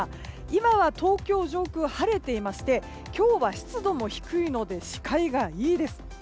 今は東京上空は晴れていまして今日は湿度も低いので視界がいいです。